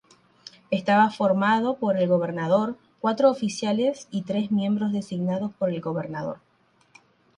Estaba formado por el gobernador, cuatro oficiales y tres miembros designados por el gobernador.